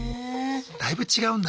だいぶ違うんだ？